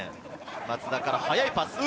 松田から速いパス。